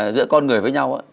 giữa con người với nhau